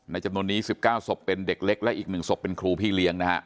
ในจำนวนนี้สิบเก้าศพเป็นเด็กเล็กและอีกหนึ่งศพเป็นครูพี่เลี้ยงนะฮะ